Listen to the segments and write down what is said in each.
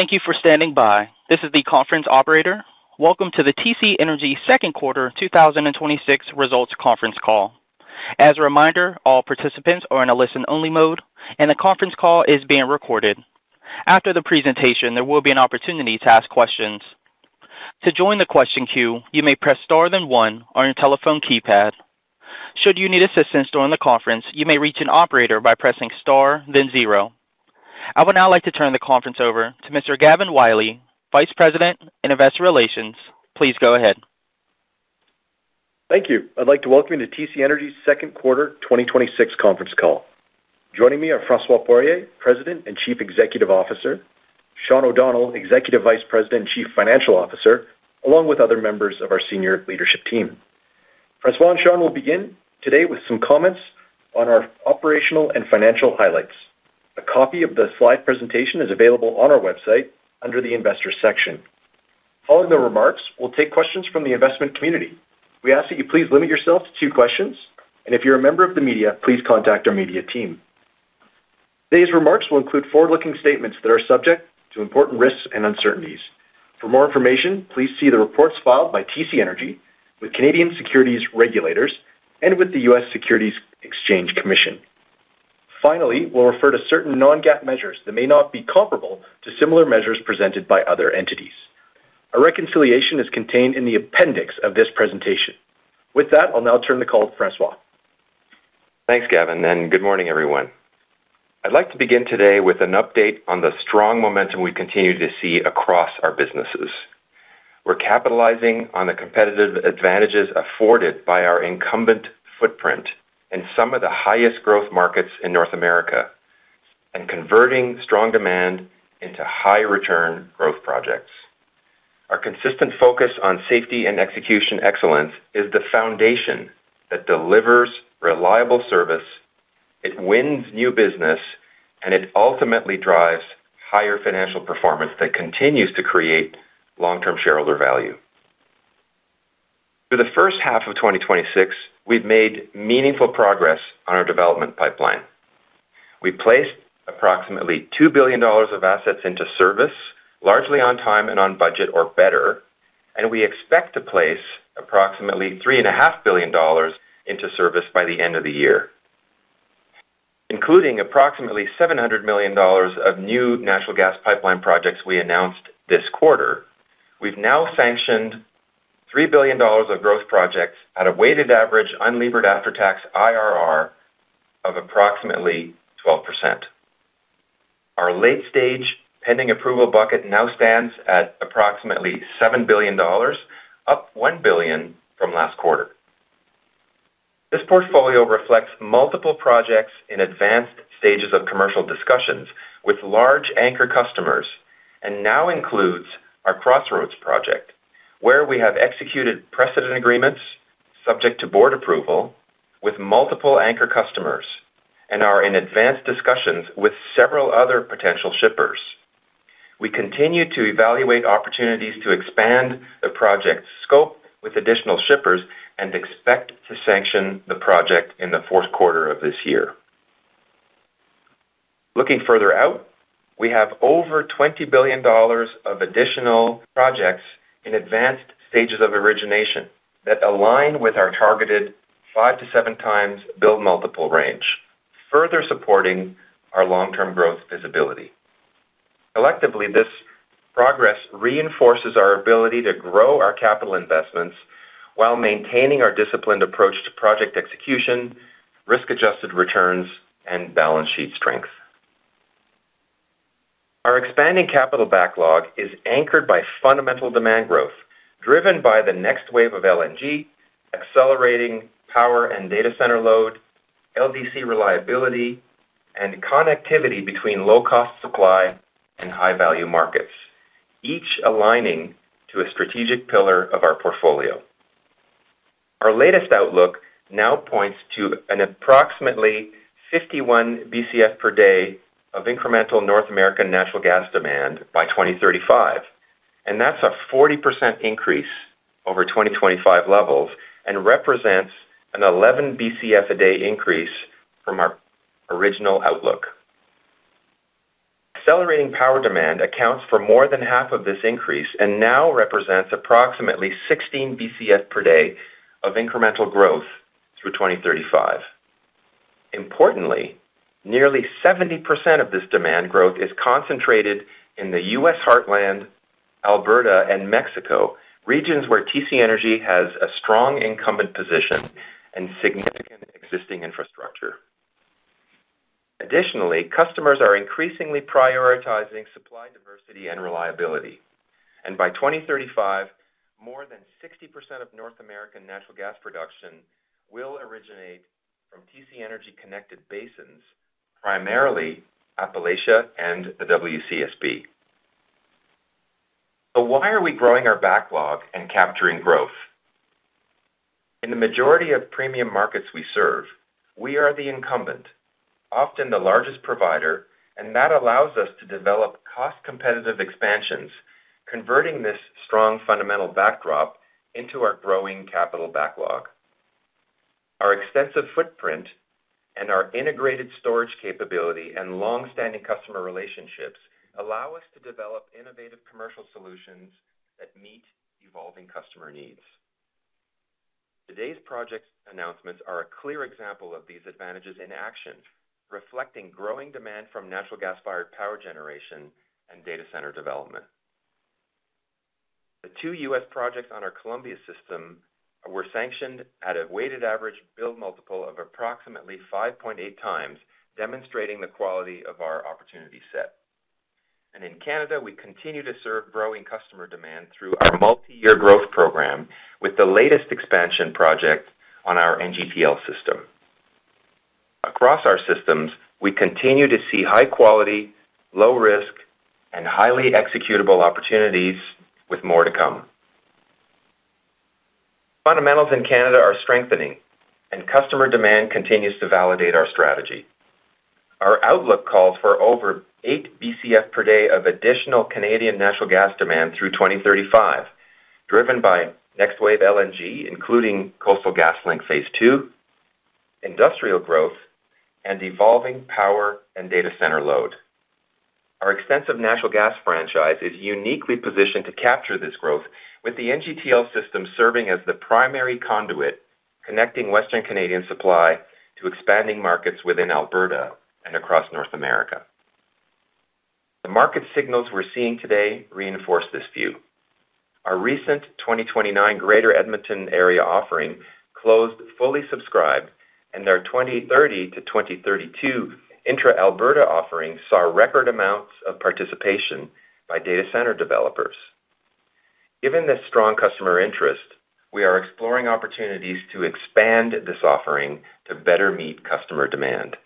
Thank you for standing by. This is the conference operator. Welcome to the TC Energy second quarter 2026 results conference call. As a reminder, all participants are in a listen-only mode, and the conference call is being recorded. After the presentation, there will be an opportunity to ask questions. To join the question queue, you may press star then one on your telephone keypad. Should you need assistance during the conference, you may reach an operator by pressing star then zero. I would now like to turn the conference over to Mr. Gavin Wylie, Vice President, Investor Relations. Please go ahead. Thank you. I'd like to welcome you to TC Energy's second quarter 2026 conference call. Joining me are François Poirier, President and Chief Executive Officer, Sean O'Donnell, Executive Vice President and Chief Financial Officer, along with other members of our senior leadership team. François and Sean will begin today with some comments on our operational and financial highlights. A copy of the slide presentation is available on our website under the investor section. Following the remarks, we'll take questions from the investment community. We ask that you please limit yourself to two questions, and if you're a member of the media, please contact our media team. These remarks will include forward-looking statements that are subject to important risks and uncertainties. For more information, please see the reports filed by TC Energy with Canadian securities regulators and with the U.S. Securities and Exchange Commission. Finally, we'll refer to certain non-GAAP measures that may not be comparable to similar measures presented by other entities. A reconciliation is contained in the appendix of this presentation. With that, I'll now turn the call to François. Thanks, Gavin, and good morning, everyone. I'd like to begin today with an update on the strong momentum we continue to see across our businesses. We're capitalizing on the competitive advantages afforded by our incumbent footprint in some of the highest growth markets in North America and converting strong demand into high-return growth projects. Our consistent focus on safety and execution excellence is the foundation that delivers reliable service, it wins new business, and it ultimately drives higher financial performance that continues to create long-term shareholder value. For the first half of 2026, we've made meaningful progress on our development pipeline. We placed approximately $2 billion of assets into service, largely on time and on budget or better, and we expect to place approximately $3.5 billion into service by the end of the year. Including approximately $700 million of new natural gas pipeline projects we announced this quarter, we've now sanctioned $3 billion of growth projects at a weighted average unlevered after-tax IRR of approximately 12%. Our late-stage pending approval bucket now stands at approximately $7 billion, up 1 billion from last quarter. This portfolio reflects multiple projects in advanced stages of commercial discussions with large anchor customers and now includes our Crossroads project, where we have executed precedent agreements subject to board approval with multiple anchor customers and are in advanced discussions with several other potential shippers. We continue to evaluate opportunities to expand the project's scope with additional shippers and expect to sanction the project in the fourth quarter of this year. Looking further out, we have over 20 billion dollars of additional projects in advanced stages of origination that align with our targeted 5 to 7 times build multiple range, further supporting our long-term growth visibility. Collectively, this progress reinforces our ability to grow our capital investments while maintaining our disciplined approach to project execution, risk-adjusted returns and balance sheet strength. Our expanding capital backlog is anchored by fundamental demand growth, driven by the next wave of LNG, accelerating power and data center load, LDC reliability, and connectivity between low-cost supply and high-value markets, each aligning to a strategic pillar of our portfolio. Our latest outlook now points to an approximately 51 BCF per day of incremental North American natural gas demand by 2035, and that's a 40% increase over 2025 levels and represents an 11 BCF a day increase from our original outlook. Accelerating power demand accounts for more than half of this increase and now represents approximately 16 BCF per day of incremental growth through 2035. Importantly, nearly 70% of this demand growth is concentrated in the U.S. Heartland, Alberta and Mexico, regions where TC Energy has a strong incumbent position and significant existing infrastructure. Additionally, customers are increasingly prioritizing supply diversity and reliability, and by 2035, more than 60% of North American natural gas production will originate from TC Energy-connected basins, primarily Appalachia and the WCSB. Why are we growing our backlog and capturing growth? In the majority of premium markets we serve, we are the incumbent, often the largest provider, and that allows us to develop cost-competitive expansions, converting this strong fundamental backdrop into our growing capital backlog. Our extensive footprint and our integrated storage capability and long-standing customer relationships allow us to develop innovative commercial solutions that meet evolving customer needs. Today's project announcements are a clear example of these advantages in action, reflecting growing demand from natural gas-fired power generation and data center development. The two U.S. projects on our Columbia system were sanctioned at a weighted average build multiple of approximately 5.8 times, demonstrating the quality of our opportunity set. In Canada, we continue to serve growing customer demand through our multi-year growth program with the latest expansion project on our NGTL system. Across our systems, we continue to see high-quality, low-risk, and highly executable opportunities with more to come. Fundamentals in Canada are strengthening, and customer demand continues to validate our strategy. Our outlook calls for over 8 BCF per day of additional Canadian natural gas demand through 2035, driven by next-wave LNG, including Coastal GasLink Phase Two, industrial growth, and evolving power and data center load. Our extensive natural gas franchise is uniquely positioned to capture this growth with the NGTL system serving as the primary conduit, connecting Western Canadian supply to expanding markets within Alberta and across North America. The market signals we're seeing today reinforce this view. Our recent 2029 Greater Edmonton area offering closed, fully subscribed, and our 2030 to 2032 intra-Alberta offering saw record amounts of participation by data center developers. Given this strong customer interest, we are exploring opportunities to expand this offering to better meet customer demand.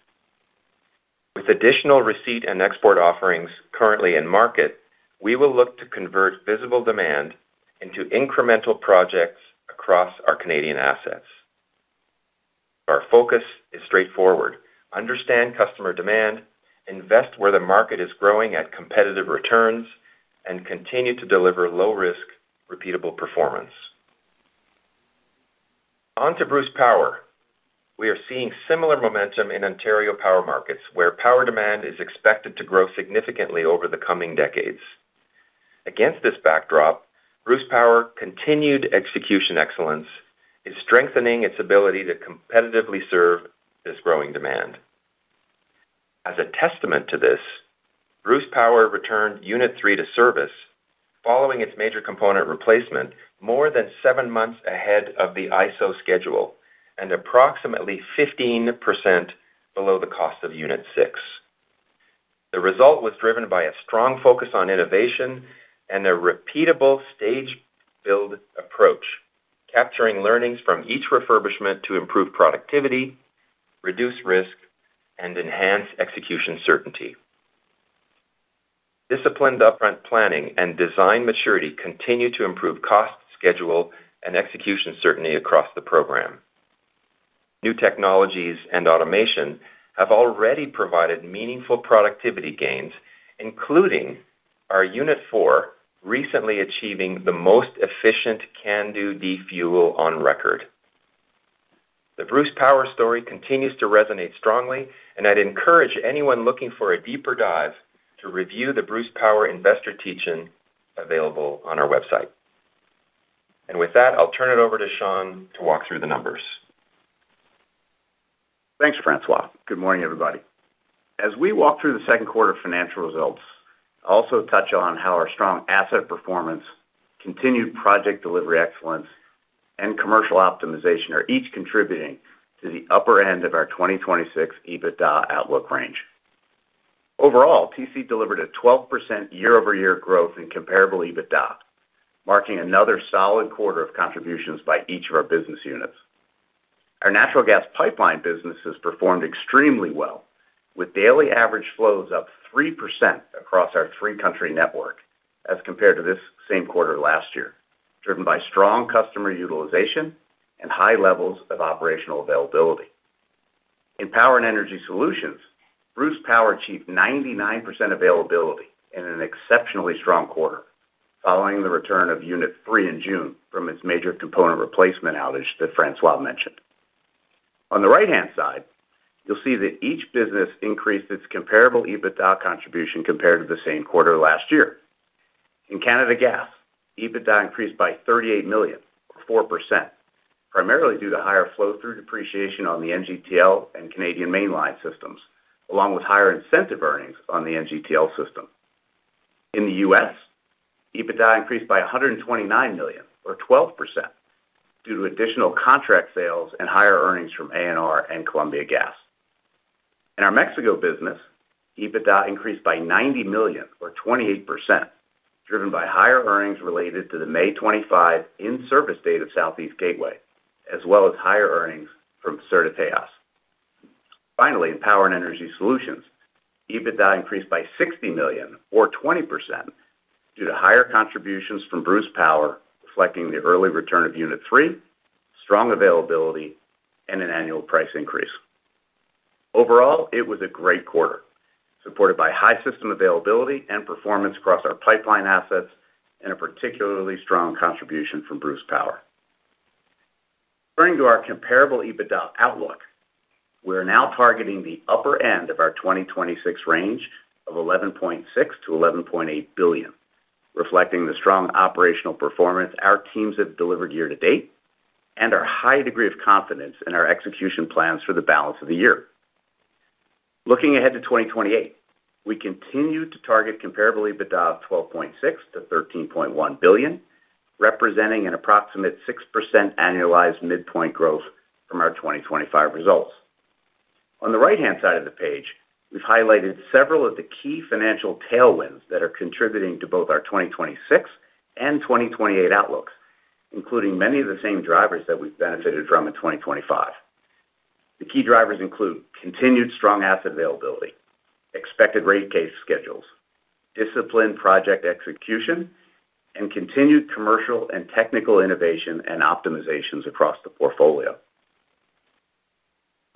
With additional receipt and export offerings currently in-market, we will look to convert visible demand into incremental projects across our Canadian assets. Our focus is straightforward: understand customer demand, invest where the market is growing at competitive returns, and continue to deliver low-risk, repeatable performance. On to Bruce Power. We are seeing similar momentum in Ontario power markets, where power demand is expected to grow significantly over the coming decades. Against this backdrop, Bruce Power continued execution excellence is strengthening its ability to competitively serve this growing demand. As a testament to this, Bruce Power returned Unit 3 to service following its major component replacement, more than seven months ahead of the ISO schedule and approximately 15% below the cost of Unit 6. The result was driven by a strong focus on innovation and a repeatable stage-build approach, capturing learnings from each refurbishment to improve productivity, reduce risk, and enhance execution certainty. Disciplined upfront planning and design maturity continue to improve cost, schedule, and execution certainty across the program. New technologies and automation have already provided meaningful productivity gains, including our Unit 4 recently achieving the most efficient CANDU defuel on record. The Bruce Power story continues to resonate strongly, I'd encourage anyone looking for a deeper dive to review the Bruce Power investor teach-in available on our website. With that, I'll turn it over to Sean to walk through the numbers. Thanks, François. Good morning, everybody. As we walk through the second quarter financial results, I'll also touch on how our strong asset performance, continued project delivery excellence, and commercial optimization are each contributing to the upper end of our 2026 EBITDA outlook range. Overall, TC delivered a 12% year-over-year growth in comparable EBITDA, marking another solid quarter of contributions by each of our business units. Our natural gas pipeline businesses performed extremely well, with daily average flows up 3% across our three-country network as compared to this same quarter last year, driven by strong customer utilization and high levels of operational availability. In Power and Energy Solutions, Bruce Power achieved 99% availability in an exceptionally strong quarter following the return of Unit 3 in June from its major component replacement outage that François mentioned. On the right-hand side, you'll see that each business increased its comparable EBITDA contribution compared to the same quarter last year. In Canada Gas, EBITDA increased by 38 million or 4%, primarily due to higher flow-through depreciation on the NGTL and Canadian Mainline systems, along with higher incentive earnings on the NGTL system. In the U.S., EBITDA increased by $129 million or 12% due to additional contract sales and higher earnings from ANR and Columbia Gas. In our Mexico business, EBITDA increased by 90 million or 28%, driven by higher earnings related to the May 25 in-service date of Southeast Gateway, as well as higher earnings from Certateos. Finally, in Power and Energy Solutions, EBITDA increased by 60 million or 20% due to higher contributions from Bruce Power, reflecting the early return of Unit 3, strong availability, and an annual price increase. Overall, it was a great quarter, supported by high system availability and performance across our pipeline assets and a particularly strong contribution from Bruce Power. Turning to our comparable EBITDA outlook, we are now targeting the upper end of our 2026 range of 11.6 billion-11.8 billion, reflecting the strong operational performance our teams have delivered year to date and our high degree of confidence in our execution plans for the balance of the year. Looking ahead to 2028, we continue to target comparable EBITDA of 12.6 billion-13.1 billion, representing an approximate 6% annualized midpoint growth from our 2025 results. On the right-hand side of the page, we've highlighted several of the key financial tailwinds that are contributing to both our 2026 and 2028 outlooks, including many of the same drivers that we've benefited from in 2025. The key drivers include continued strong asset availability, expected rate case schedules, disciplined project execution, and continued commercial and technical innovation and optimizations across the portfolio.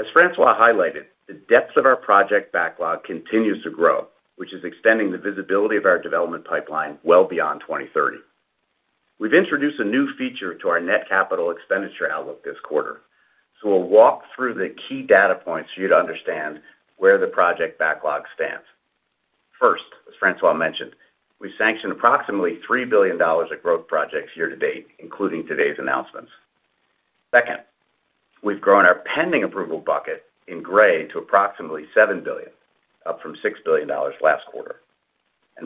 As François highlighted, the depth of our project backlog continues to grow, which is extending the visibility of our development pipeline well beyond 2030. We've introduced a new feature to our net capital expenditure outlook this quarter, so we'll walk through the key data points for you to understand where the project backlog stands. First, as François mentioned, we sanctioned approximately 3 billion dollars of growth projects year to date, including today's announcements. Second, we've grown our pending approval bucket in gray to approximately 7 billion, up from 6 billion dollars last quarter.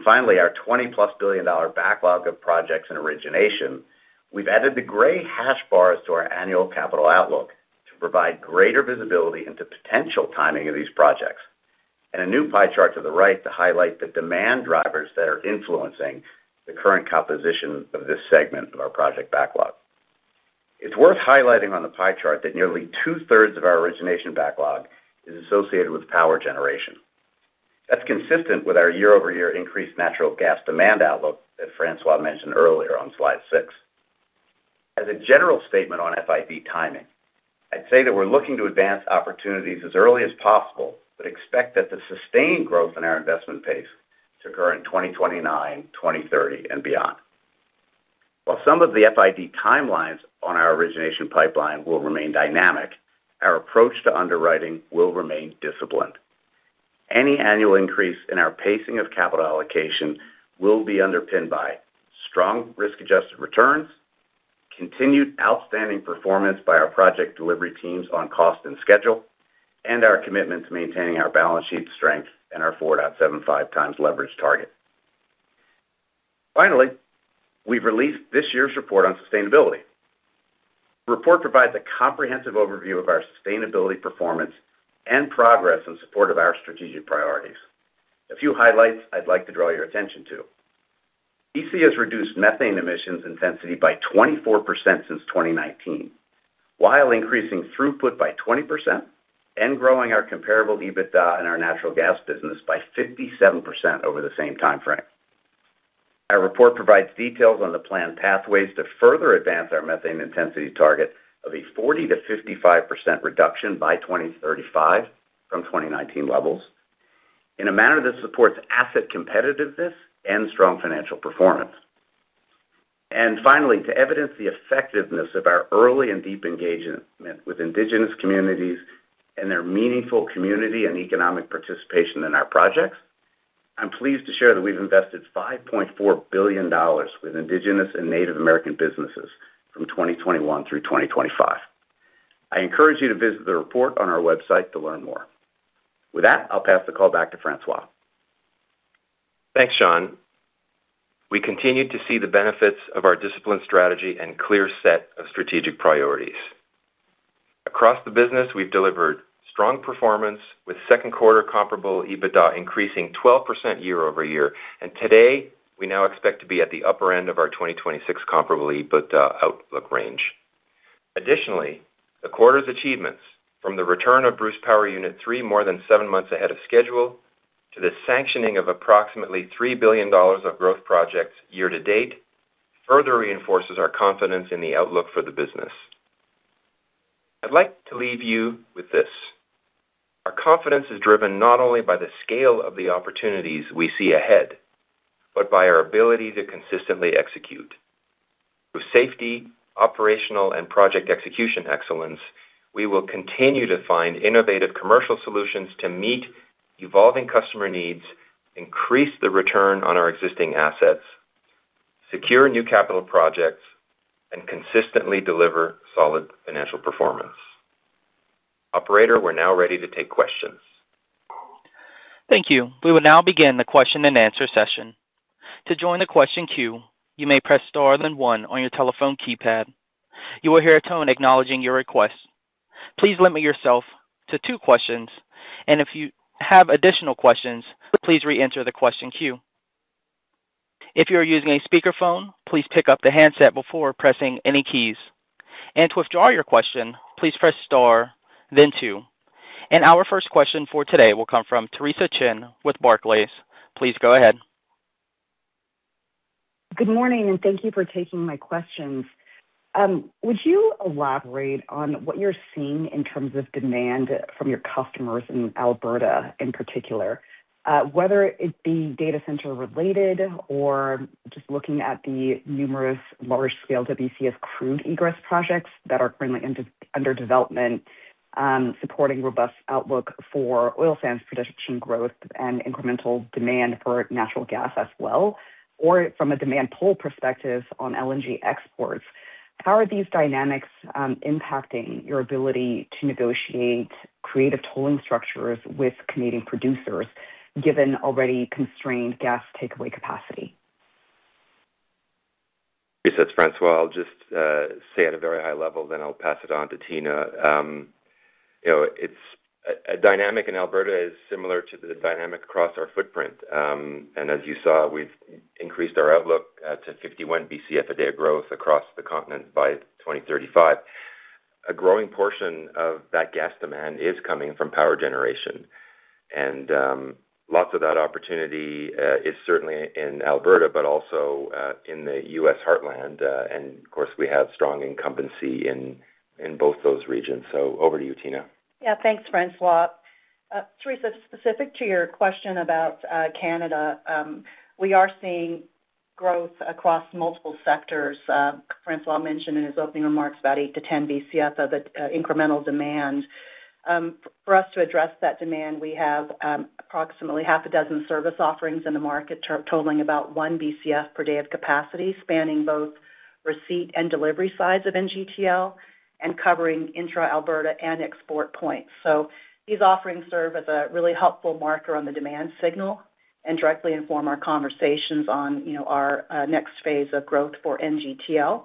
Finally, our 20+ billion dollar backlog of projects in origination. We've added the gray hash bars to our annual capital outlook to provide greater visibility into potential timing of these projects, and a new pie chart to the right to highlight the demand drivers that are influencing the current composition of this segment of our project backlog. It's worth highlighting on the pie chart that nearly two-thirds of our origination backlog is associated with power generation. That's consistent with our year-over-year increased natural gas demand outlook that François mentioned earlier on slide six. As a general statement on FID timing, I'd say that we're looking to advance opportunities as early as possible, but expect that the sustained growth in our investment pace to occur in 2029, 2030, and beyond. While some of the FID timelines on our origination pipeline will remain dynamic, our approach to underwriting will remain disciplined. Any annual increase in our pacing of capital allocation will be underpinned by strong risk-adjusted returns, continued outstanding performance by our project delivery teams on cost and schedule, and our commitment to maintaining our balance sheet strength and our 4.75 times leverage target. Finally, we've released this year's report on sustainability. The report provides a comprehensive overview of our sustainability performance and progress in support of our strategic priorities. A few highlights I'd like to draw your attention to. TC Energy has reduced methane emissions intensity by 24% since 2019, while increasing throughput by 20% and growing our comparable EBITDA in our natural gas business by 57% over the same time frame. Our report provides details on the planned pathways to further advance our methane intensity target of a 40%-55% reduction by 2035 from 2019 levels in a manner that supports asset competitiveness and strong financial performance. Finally, to evidence the effectiveness of our early and deep engagement with Indigenous communities and their meaningful community and economic participation in our projects, I'm pleased to share that we've invested 5.4 billion dollars with Indigenous and Native American businesses from 2021 through 2025. I encourage you to visit the report on our website to learn more. With that, I'll pass the call back to François. Thanks, Sean. We continue to see the benefits of our disciplined strategy and clear set of strategic priorities. Across the business, we've delivered strong performance with second quarter comparable EBITDA increasing 12% year-over-year. Today, we now expect to be at the upper end of our 2026 comparable EBITDA outlook range. Additionally, the quarter's achievements from the return of Bruce Power Unit 3 more than seven months ahead of schedule to the sanctioning of approximately 3 billion dollars of growth projects year to date further reinforces our confidence in the outlook for the business. I'd like to leave you with this. Our confidence is driven not only by the scale of the opportunities we see ahead, but by our ability to consistently execute. Through safety, operational, and project execution excellence, we will continue to find innovative commercial solutions to meet evolving customer needs, increase the return on our existing assets, secure new capital projects, and consistently deliver solid financial performance. Operator, we're now ready to take questions. Thank you. We will now begin the question and answer session. To join the question queue, you may press star then one on your telephone keypad. You will hear a tone acknowledging your request. Please limit yourself to two questions, and if you have additional questions, please reenter the question queue. If you are using a speakerphone, please pick up the handset before pressing any keys. To withdraw your question, please press star then two. Our first question for today will come from Theresa Chen with Barclays. Please go ahead. Good morning. Thank you for taking my questions. Would you elaborate on what you're seeing in terms of demand from your customers in Alberta in particular? Whether it be data center related or just looking at the numerous large-scale WCS crude egress projects that are currently under development, supporting robust outlook for oil sands production growth and incremental demand for natural gas as well, or from a demand pull perspective on LNG exports. How are these dynamics impacting your ability to negotiate creative tolling structures with Canadian producers, given already constrained gas takeaway capacity? Theresa, it's François. I'll just say at a very high level, then I'll pass it on to Tina. A dynamic in Alberta is similar to the dynamic across our footprint. As you saw, we've increased our outlook to 51 BCF a day of growth across the continent by 2035. A growing portion of that gas demand is coming from power generation. Lots of that opportunity is certainly in Alberta, but also in the U.S. Heartland. Of course, we have strong incumbency in both those regions. Over to you, Tina. Yeah, thanks, François. Theresa, specific to your question about Canada, we are seeing growth across multiple sectors. François mentioned in his opening remarks about eight to 10 BCF of incremental demand. For us to address that demand, we have approximately half a dozen service offerings in the market totaling about one BCF per day of capacity, spanning both receipt and delivery sides of NGTL and covering intra-Alberta and export points. These offerings serve as a really helpful marker on the demand signal and directly inform our conversations on our next phase of growth for NGTL.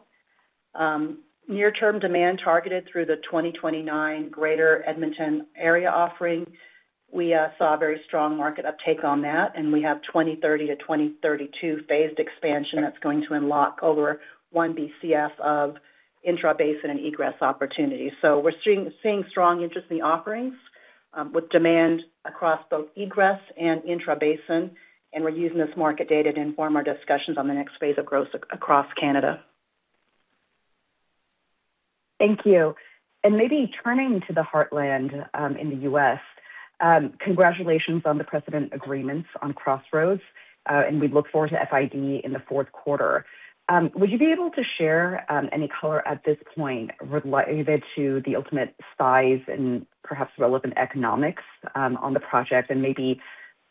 Near-term demand targeted through the 2029 Greater Edmonton Area offering. We saw a very strong market uptake on that, and we have 2030-2032 phased expansion that's going to unlock over one BCF of intra-basin and egress opportunities. We're seeing strong interest in the offerings with demand across both egress and intra-basin, and we're using this market data to inform our discussions on the next phase of growth across Canada. Thank you. Maybe turning to the heartland in the U.S., congratulations on the precedent agreements on Crossroads. We look forward to FID in the fourth quarter. Would you be able to share any color at this point related to the ultimate size and perhaps relevant economics on the project and maybe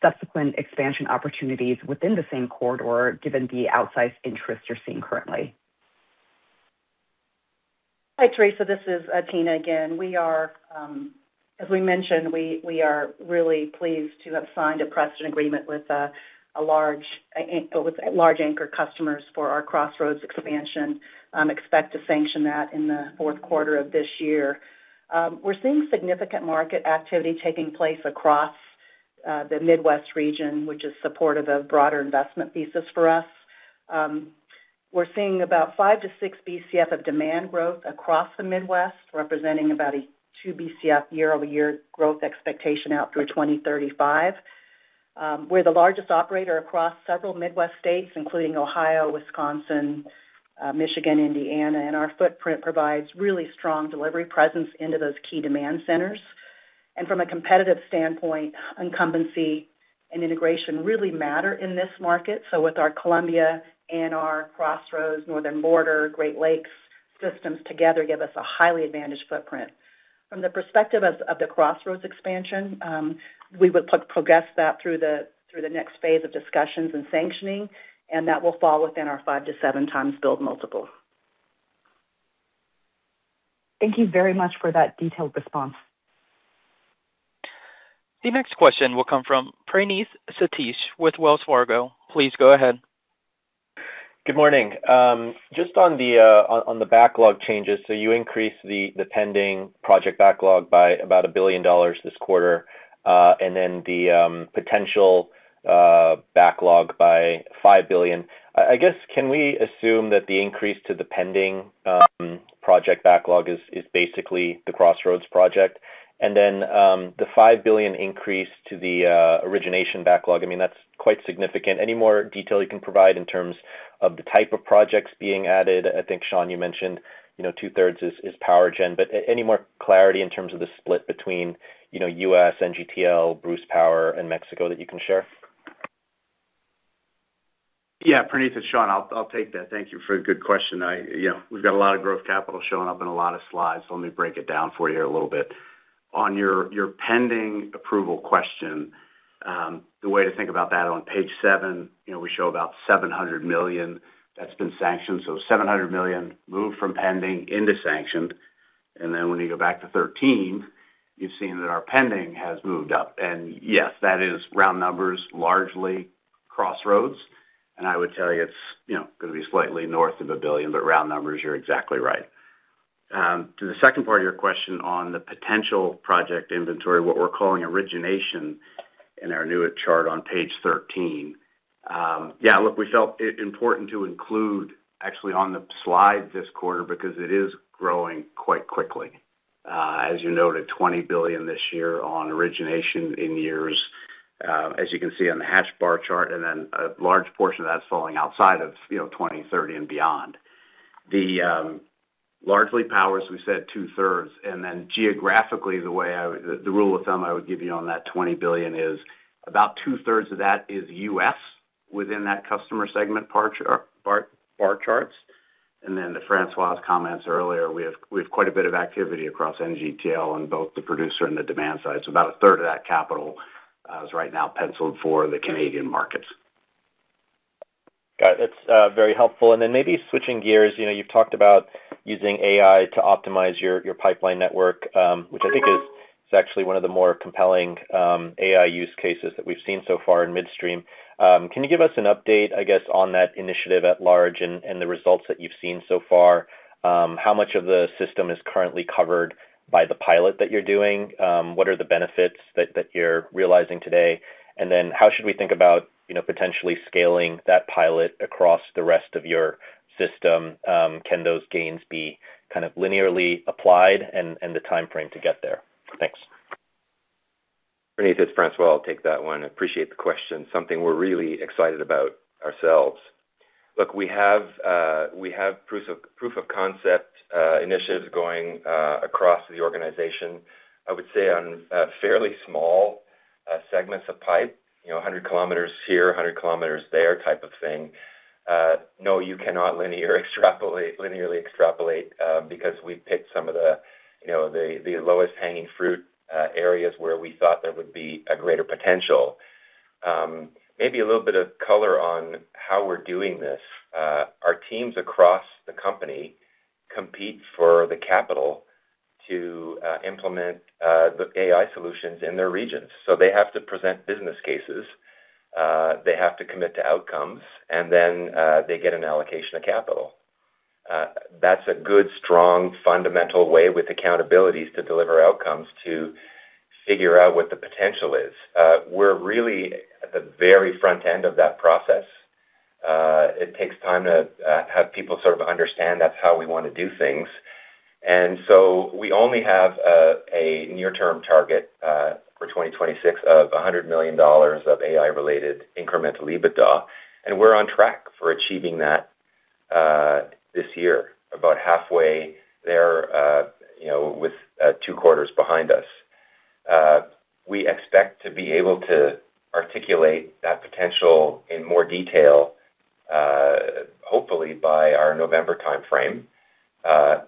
subsequent expansion opportunities within the same corridor, given the outsized interest you're seeing currently? Hi, Theresa. This is Tina again. As we mentioned, we are really pleased to have signed a precedent agreement with large anchor customers for our Crossroads expansion. Expect to sanction that in the fourth quarter of this year. We're seeing significant market activity taking place across the Midwest region, which is supportive of broader investment thesis for us. We're seeing about five to six BCF of demand growth across the Midwest, representing about a two BCF year-over-year growth expectation out through 2035. We're the largest operator across several Midwest states, including Ohio, Wisconsin, Michigan, Indiana, and our footprint provides really strong delivery presence into those key demand centers. From a competitive standpoint, incumbency and integration really matter in this market. With our Columbia and our Crossroads, Northern Border, Great Lakes systems together give us a highly advantaged footprint. From the perspective of the Crossroads expansion, we would progress that through the next phase of discussions and sanctioning, and that will fall within our five to seven times build multiple. Thank you very much for that detailed response. The next question will come from Praneeth Satish with Wells Fargo. Please go ahead. Good morning. Just on the backlog changes, you increased the pending project backlog by about 1 billion dollars this quarter, then the potential backlog by 5 billion. I guess, can we assume that the increase to the pending project backlog is basically the Crossroads project? The 5 billion increase to the origination backlog, that's quite significant. Any more detail you can provide in terms of the type of projects being added? I think, Sean, you mentioned two-thirds is power gen, but any more clarity in terms of the split between U.S., NGTL, Bruce Power, and Mexico that you can share? Yeah, Praneeth, it's Sean. I'll take that. Thank you for a good question. We've got a lot of growth capital showing up in a lot of slides, let me break it down for you here a little bit. On your pending approval question, the way to think about that, on page seven, we show about 700 million that's been sanctioned, 700 million moved from pending into sanctioned. When you go back to 13, you've seen that our pending has moved up. Yes, that is round numbers, largely Crossroads. I would tell you it's going to be slightly north of 1 billion, round numbers, you're exactly right. To the second part of your question on the potential project inventory, what we're calling origination in our new chart on page 13. Yeah, look, we felt it important to include actually on the slide this quarter because it is growing quite quickly. As you noted, 20 billion this year on origination in years, as you can see on the hash bar chart, a large portion of that's falling outside of 2030 and beyond. The largely powers, we said two-thirds, then geographically, the rule of thumb I would give you on that 20 billion is about two-thirds of that is U.S. within that customer segment bar charts. To François' comments earlier, we have quite a bit of activity across NGTL on both the producer and the demand side. About a third of that capital is right now penciled for the Canadian markets. Got it. That's very helpful. Maybe switching gears, you've talked about using AI to optimize your pipeline network, which I think is actually one of the more compelling AI use cases that we've seen so far in midstream. Can you give us an update, I guess, on that initiative at large and the results that you've seen so far? How much of the system is currently covered by the pilot that you're doing? What are the benefits that you're realizing today? How should we think about potentially scaling that pilot across the rest of your system? Can those gains be linearly applied and the timeframe to get there? Thanks. Praneeth, it's François. I'll take that one. Appreciate the question. Something we're really excited about ourselves. Look, we have proof of concept initiatives going across the organization, I would say on fairly small segments of pipe, 100 km here, 100 km there type of thing. No, you cannot linearly extrapolate because we've picked some of the lowest hanging fruit areas where we thought there would be a greater potential. Maybe a little bit of color on how we're doing this. Our teams across the company compete for the capital to implement the AI solutions in their regions. They have to present business cases. They have to commit to outcomes, they get an allocation of capital. That's a good, strong, fundamental way with accountabilities to deliver outcomes to figure out what the potential is. We're really at the very front end of that process. It takes time to have people sort of understand that's how we want to do things. We only have a near-term target for 2026 of $100 million of AI-related incremental EBITDA, and we're on track for achieving that this year, about halfway there with two quarters behind us. We expect to be able to articulate that potential in more detail hopefully by our November timeframe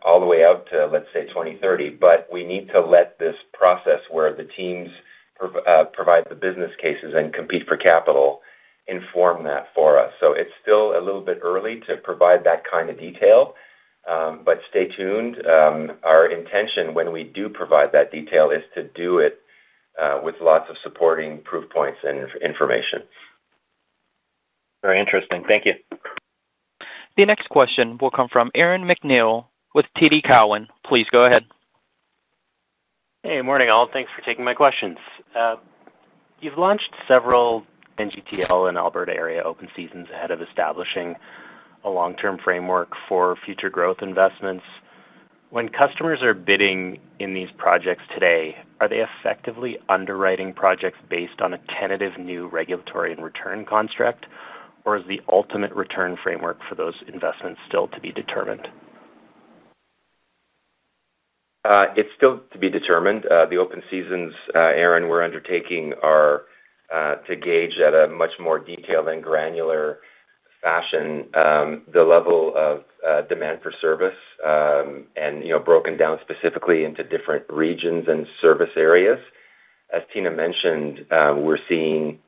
all the way out to, let's say, 2030. We need to let this process where the teams provide the business cases and compete for capital inform that for us. It's still a little bit early to provide that kind of detail, stay tuned. Our intention when we do provide that detail is to do it with lots of supporting proof points and information. Very interesting. Thank you. The next question will come from Aaron MacNeil with TD Cowen. Please go ahead. Hey, morning all. Thanks for taking my questions. You've launched several NGTL in Alberta area open seasons ahead of establishing a long-term framework for future growth investments. When customers are bidding in these projects today, are they effectively underwriting projects based on a tentative new regulatory and return construct? Or is the ultimate return framework for those investments still to be determined? It's still to be determined. The open seasons, Aaron, we're undertaking are to gauge at a much more detailed and granular fashion the level of demand for service and broken down specifically into different regions and service areas. As Tina mentioned, we're seeing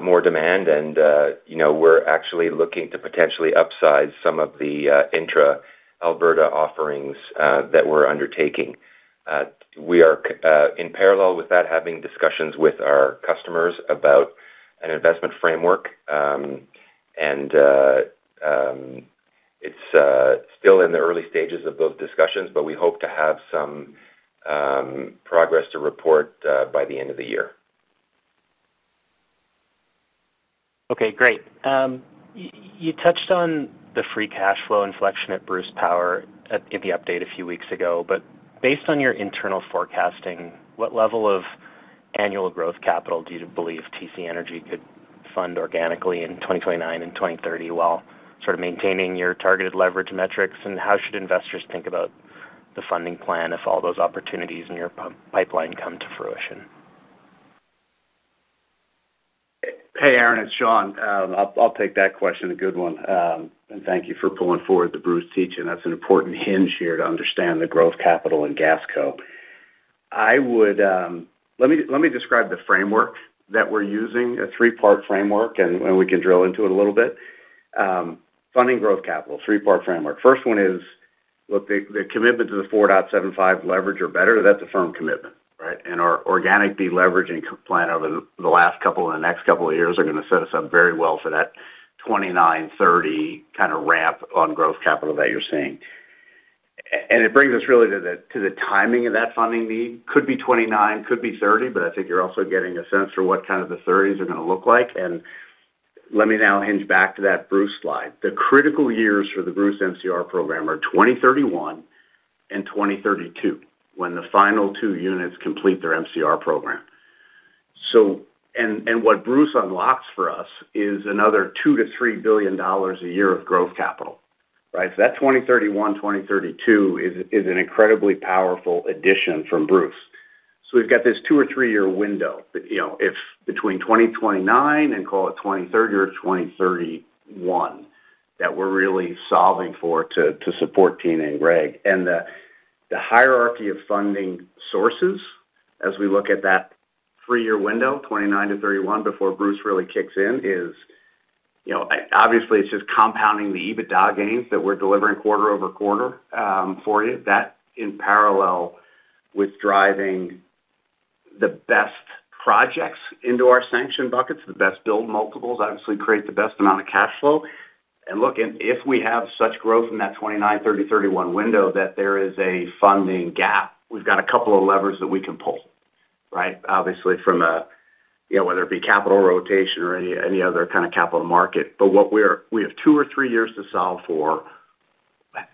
more demand and we're actually looking to potentially upsize some of the intra-Alberta offerings that we're undertaking. In parallel with that, having discussions with our customers about an investment framework, and it's still in the early stages of those discussions, but we hope to have some progress to report by the end of the year. Okay, great. You touched on the free cash flow inflection at Bruce Power in the update a few weeks ago. Based on your internal forecasting, what level of annual growth capital do you believe TC Energy could fund organically in 2029 and 2030 while sort of maintaining your targeted leverage metrics? How should investors think about the funding plan if all those opportunities in your pipeline come to fruition? Hey, Aaron, it's Sean. I'll take that question. A good one. Thank you for pulling forward the Bruce teach-in. That's an important hinge here to understand the growth capital in gas co. Let me describe the framework that we're using, a three-part framework, and we can drill into it a little bit. Funding growth capital, three-part framework. First one is, look, the commitment to the 4.75 leverage or better, that's a firm commitment, right? Our organic deleveraging plan over the last couple and the next couple of years are going to set us up very well for that 2029, 2030 kind of ramp on growth capital that you're seeing. It brings us really to the timing of that funding need. Could be 2029, could be 2030, but I think you're also getting a sense for what the 2030s are going to look like and Let me now hinge back to that Bruce slide. The critical years for the Bruce MCR program are 2031 and 2032, when the final two units complete their MCR program. What Bruce unlocks for us is another 2 billion-3 billion dollars a year of growth capital. That 2031, 2032 is an incredibly powerful addition from Bruce. We've got this two or three-year window, between 2029 and call it 2030 or 2031, that we're really solving for to support Tina and Greg. The hierarchy of funding sources as we look at that three-year window, 2029 to 2031 before Bruce really kicks in is, obviously it's just compounding the EBITDA gains that we're delivering quarter-over-quarter for you. That in parallel with driving the best projects into our sanction buckets. The best build multiples obviously create the best amount of cash flow. Look, if we have such growth in that 2029, 2030, 2031 window that there is a funding gap, we've got a couple of levers that we can pull. Obviously from a, whether it be capital rotation or any other kind of capital market. We have two or three years to solve for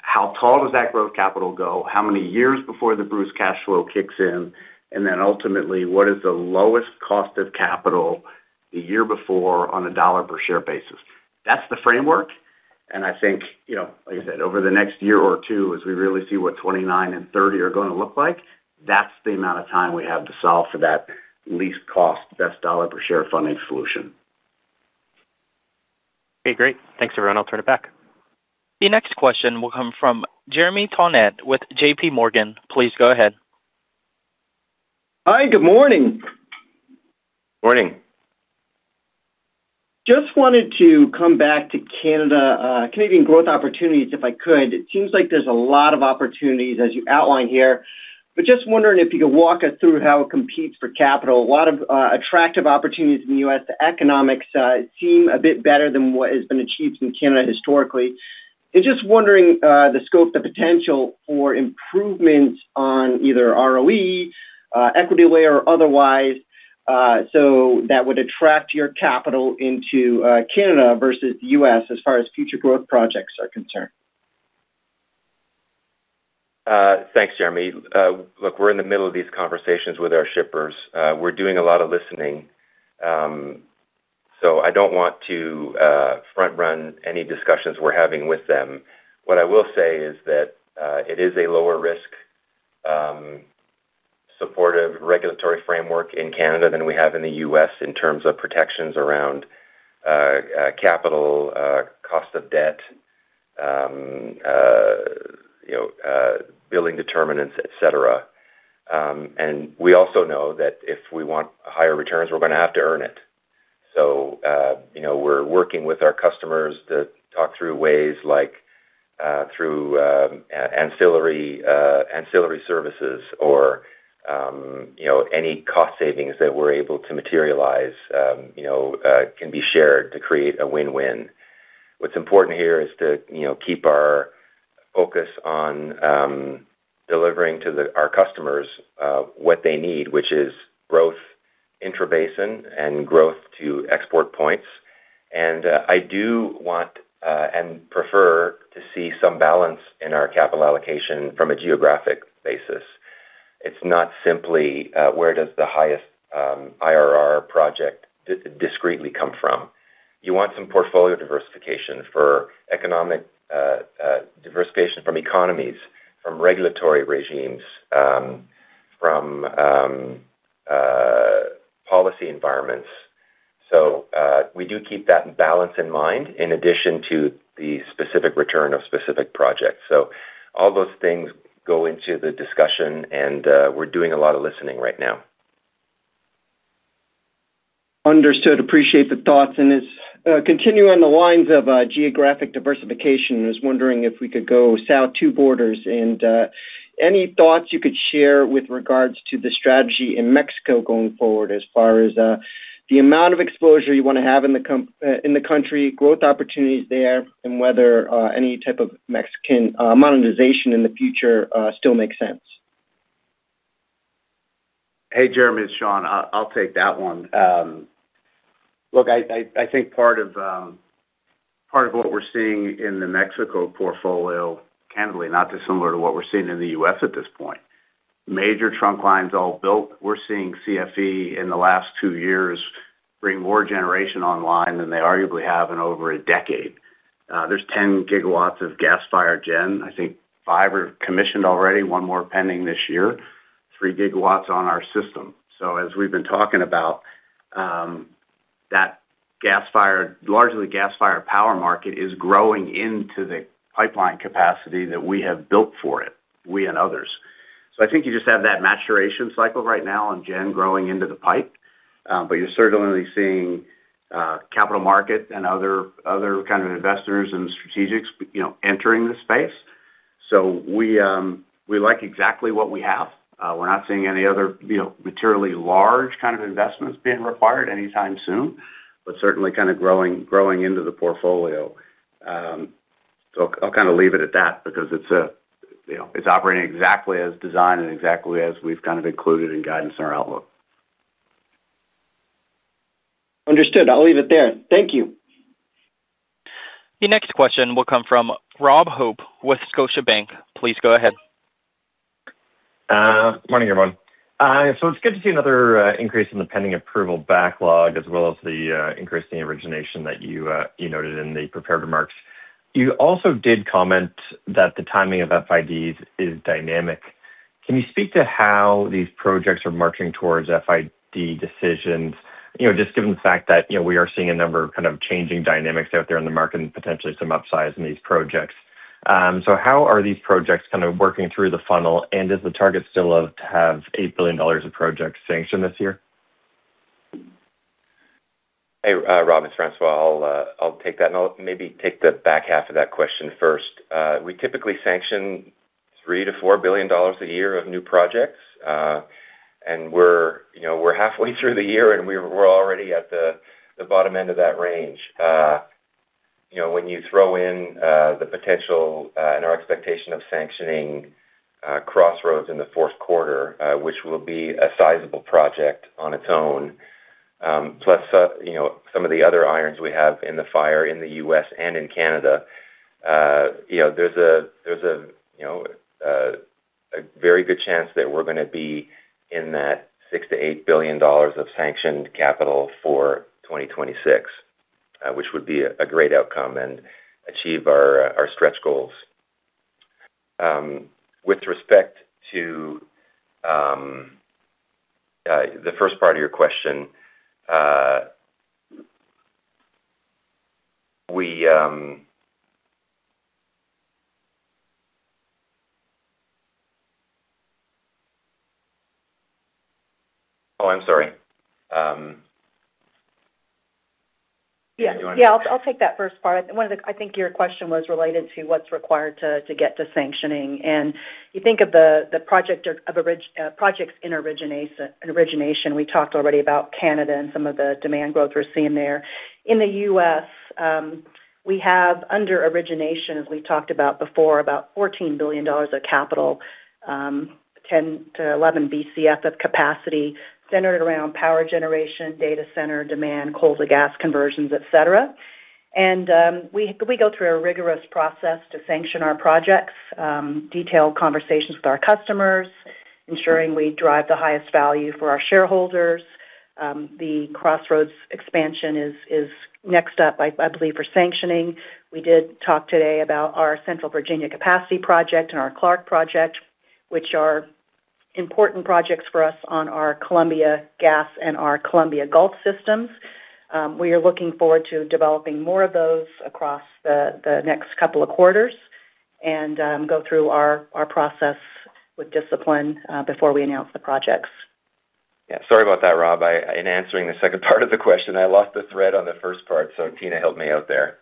how tall does that growth capital go? How many years before the Bruce cash flow kicks in? Ultimately, what is the lowest cost of capital the year before on a CAD per share basis? That's the framework, and I think, like I said, over the next year or two, as we really see what 2029 and 2030 are going to look like, that's the amount of time we have to solve for that least cost, best CAD per share funding solution. Okay, great. Thanks everyone, I'll turn it back. The next question will come from Jeremy Tonet with JPMorgan. Please go ahead. Hi, good morning. Morning. Just wanted to come back to Canadian growth opportunities, if I could. It seems like there's a lot of opportunities as you outline here, but just wondering if you could walk us through how it competes for capital. A lot of attractive opportunities in the U.S. The economics seem a bit better than what has been achieved in Canada historically, and just wondering the scope, the potential for improvements on either ROE, equity layer or otherwise, so that would attract your capital into Canada versus U.S. as far as future growth projects are concerned. Thanks, Jeremy. We're in the middle of these conversations with our shippers. We're doing a lot of listening. I don't want to front run any discussions we're having with them. What I will say is that it is a lower risk, supportive regulatory framework in Canada than we have in the U.S. in terms of protections around capital, cost of debt, billing determinants, et cetera. We also know that if we want higher returns, we're going to have to earn it. We're working with our customers to talk through ways like through ancillary services or any cost savings that we're able to materialize can be shared to create a win-win. What's important here is to keep our focus on delivering to our customers what they need, which is growth intrabasin and growth to export points. I do want, and prefer to see some balance in our capital allocation from a geographic basis. It's not simply where does the highest IRR project discretely come from. You want some portfolio diversification for economic diversification from economies, from regulatory regimes, from policy environments. We do keep that balance in mind in addition to the specific return of specific projects. All those things go into the discussion, and we're doing a lot of listening right now. Understood. Appreciate the thoughts, continuing on the lines of geographic diversification, I was wondering if we could go south two borders and any thoughts you could share with regards to the strategy in Mexico going forward as far as the amount of exposure you want to have in the country, growth opportunities there, and whether any type of Mexican monetization in the future still makes sense. Hey, Jeremy, it's Sean. I'll take that one. I think part of what we're seeing in the Mexico portfolio, candidly not dissimilar to what we're seeing in the U.S. at this point. Major trunk lines all built. We're seeing CFE in the last two years bring more generation online than they arguably have in over a decade. There's 10 GW of gas-fired gen. I think five are commissioned already. One more pending this year, three gigawatts on our system. As we've been talking about, largely the gas-fired power market is growing into the pipeline capacity that we have built for it, we and others. I think you just have that maturation cycle right now on gen growing into the pipe. You're certainly seeing capital market and other kind of investors and strategics entering the space. We like exactly what we have. We're not seeing any other materially large kind of investments being required anytime soon. Certainly kind of growing into the portfolio. I'll leave it at that because it's operating exactly as designed and exactly as we've included in guidance in our outlook. Understood. I'll leave it there. Thank you. The next question will come from Robert Hope with Scotiabank. Please go ahead. Morning, everyone. It's good to see another increase in the pending approval backlog as well as the increase in the origination that you noted in the prepared remarks. You also did comment that the timing of FIDs is dynamic. Can you speak to how these projects are marching towards FID decisions? Just given the fact that we are seeing a number of changing dynamics out there in the market and potentially some upsize in these projects. How are these projects working through the funnel, and is the target still to have 8 billion dollars of projects sanctioned this year? Hey, Robert, it's François. I'll take that, and I'll maybe take the back half of that question first. We typically sanction 3 billion-4 billion dollars a year of new projects. We're halfway through the year, and we're already at the bottom end of that range. When you throw in the potential and our expectation of sanctioning Crossroads in the fourth quarter, which will be a sizable project on its own. Plus, some of the other irons we have in the fire in the U.S. and in Canada. There's a very good chance that we're going to be in that 6 billion-8 billion dollars of sanctioned capital for 2026, which would be a great outcome and achieve our stretch goals. With respect to the first part of your question. Oh, I'm sorry. Yeah. I'll take that first part. I think your question was related to what's required to get to sanctioning, and you think of the projects in origination. We talked already about Canada and some of the demand growth we're seeing there. In the U.S., we have under origination, as we talked about before, about 14 billion dollars of capital, 10 to 11 BCF of capacity centered around power generation, data center demand, coal to gas conversions, et cetera. We go through a rigorous process to sanction our projects, detailed conversations with our customers, ensuring we drive the highest value for our shareholders. The Crossroads expansion is next up, I believe, for sanctioning. We did talk today about our Central Virginia Capacity project and our Clark project, which are important projects for us on our Columbia Gas and our Columbia Gulf systems. We are looking forward to developing more of those across the next couple of quarters and go through our process with discipline before we announce the projects. Yeah. Sorry about that, Robert. In answering the second part of the question, I lost the thread on the first part, so Tina helped me out there.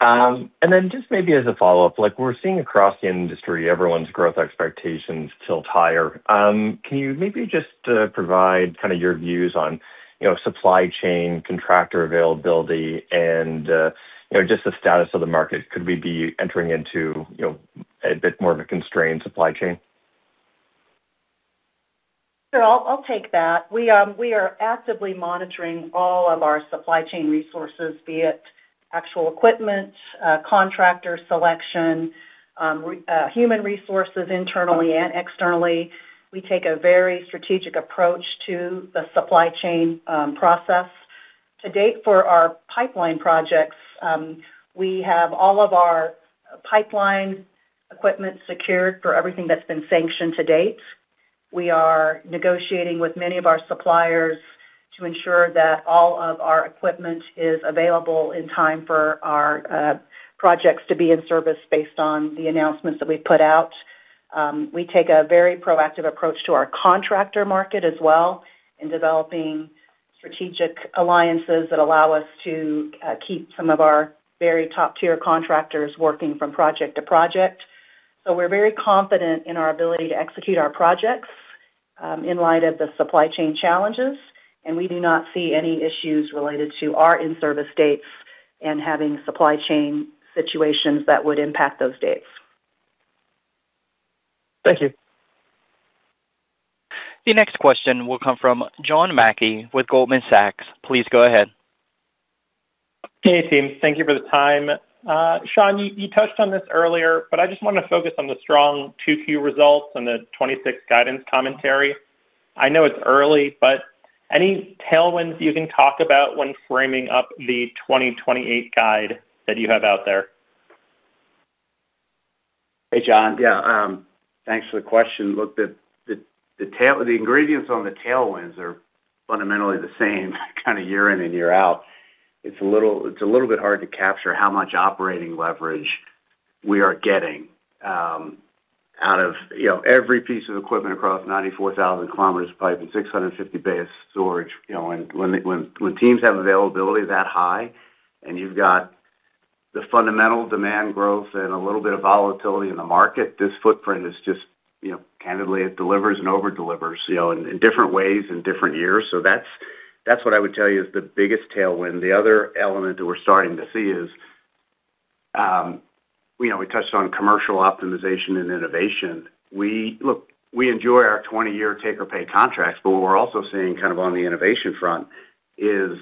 Just maybe as a follow-up, we're seeing across the industry everyone's growth expectations tilt higher. Can you maybe just provide your views on supply chain contractor availability and just the status of the market? Could we be entering into a bit more of a constrained supply chain? Sure. I'll take that. We are actively monitoring all of our supply chain resources, be it actual equipment, contractor selection, human resources internally and externally. We take a very strategic approach to the supply chain process. To date for our pipeline projects, we have all of our pipeline equipment secured for everything that's been sanctioned to date. We are negotiating with many of our suppliers to ensure that all of our equipment is available in time for our projects to be in service based on the announcements that we've put out. We take a very proactive approach to our contractor market as well in developing strategic alliances that allow us to keep some of our very top-tier contractors working from project to project. We're very confident in our ability to execute our projects in light of the supply chain challenges, and we do not see any issues related to our in-service dates and having supply chain situations that would impact those dates. Thank you. The next question will come from John Mackay with Goldman Sachs. Please go ahead. Hey, team. Thank you for the time. Sean, you touched on this earlier, I just want to focus on the strong 2Q results and the 2026 guidance commentary. I know it's early, any tailwinds you can talk about when framing up the 2028 guide that you have out there? Hey, John. Yeah, thanks for the question. Look, the ingredients on the tailwinds are fundamentally the same year in and year out. It's a little bit hard to capture how much operating leverage we are getting out of every piece of equipment across 94,000 km of pipe and 650 bays of storage. When teams have availability that high and you've got the fundamental demand growth and a little bit of volatility in the market, this footprint candidly, it delivers and over-delivers in different ways, in different years. That's what I would tell you is the biggest tailwind. The other element that we're starting to see is, we touched on commercial optimization and innovation. Look, we enjoy our 20-year take-or-pay contracts, but what we're also seeing on the innovation front is